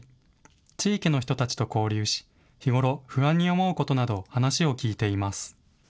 地域の人たちと交流し日ごろ不安に思うことなど話を聞いています。